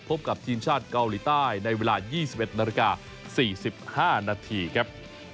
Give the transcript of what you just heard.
พบกับทีมชาติเกาหลีใต้ในเวลา๒๑นาฬิกา๔๕นาทีครับ